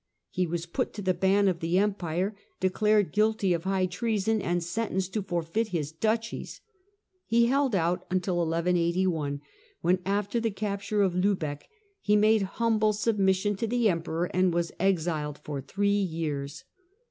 He was put to the ban of the Empire, declared guilty of high treason, and sentenced to forfeit his duchies. He held out until 1181, when, after the capture of Lubeck, he made humble submission to the Emperor, and was exiled for three years.